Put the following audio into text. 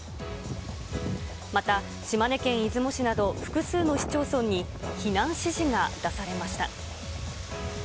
また、島根県出雲市など複数の市町村に避難指示が出されました。